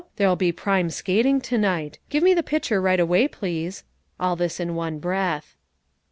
There'll be prime skating to night. Give me the pitcher right away, please." All this in one breath.